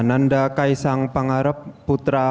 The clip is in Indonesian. ananda kaisang pengarap putra